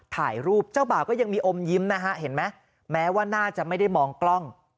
ถ่ายรูปเจ้าบ่าวก็ยังมีอมยิ้มนะฮะเห็นไหมแม้ว่าน่าจะไม่ได้มองกล้อง